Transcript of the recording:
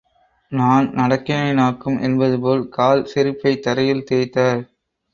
நான் நடக்கிறேனாக்கும் என்பதுபோல், கால் செருப்பைத் தரையில் தேய்த்தார்.